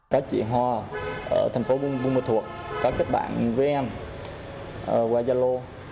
có chị hoa ở thành phố buôn ma thuật có các bạn với em qua gia lô